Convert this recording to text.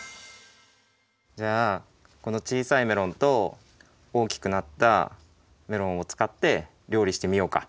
じゃあこの小さいメロンとおおきくなったメロンをつかってりょうりしてみようか。